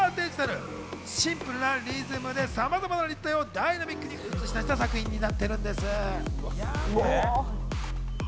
シンプルなリズムでさまざまな立体をダイナミックに映し出した作品になってるんです。